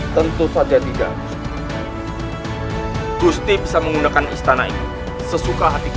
tentu saja tidak gusti bisa menggunakan istana ini sesuka hatiku